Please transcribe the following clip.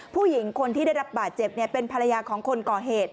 ผู้หญิงคนที่ได้รับบาดเจ็บเป็นภรรยาของคนก่อเหตุ